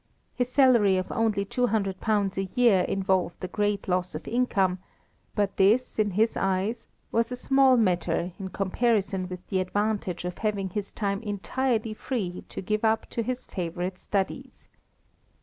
His salary of only £200 a year involved a great loss of income, but this, in his eyes, was a small matter in comparison with the advantage of having his time entirely free to give up to his favourite studies.